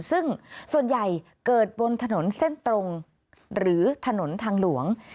ซึ่งส่วนใหญ่เกิดบนถนนเส้นตรงหรือถนนทางหลวง